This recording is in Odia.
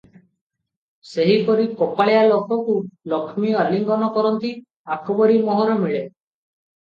ସେହିପରି କପାଳିଆ ଲୋକକୁ ଲକ୍ଷ୍ମୀ ଆଲିଙ୍ଗନ କରନ୍ତି, ଆକବରୀ ମୋହର ମିଳେ ।